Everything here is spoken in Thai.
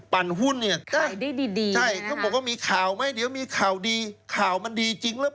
ปั่นหุ้นขายได้ดีนะฮะคุณนิวอยากทราบไหมว่าตลาดหลักทรัพย์เขาปั่นกันอย่างไร